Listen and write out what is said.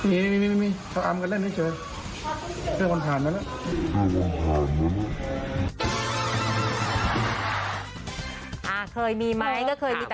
เอาอามกันเล่นไม่เฉย